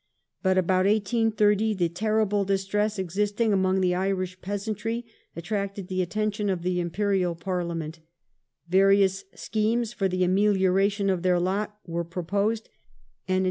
But about 1 830 the terrible distress existing among the Irish peasantry attracted the attention of the Imperial Parliament ; various schemes for the amelioration of their lot were proposed, and in 1833 a commission * I.